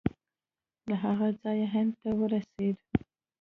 له هغه ځایه هند ته ورسېد.